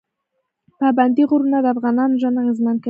پابندی غرونه د افغانانو ژوند اغېزمن کوي.